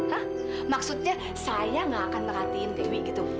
kah maksudnya saya gak akan merhatiin dewi gitu